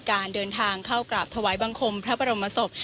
การเดินทางเข้ากราบถวายบังคมพระบรมศพ